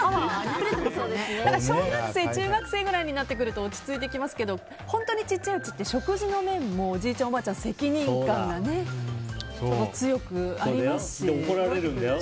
小学生、中学生くらいになってくると落ち着いてきますけど本当に小さいうちって食事の面でもおじいちゃんおばあちゃん怒られるんだよ。